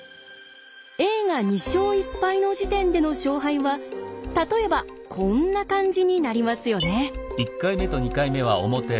Ａが２勝１敗の時点での勝敗は例えばこんな感じになりますよね。